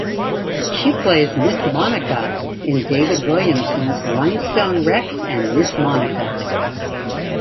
She plays "Miss Monica" in David Williamson's "Rhinestone Rex and Miss Monica".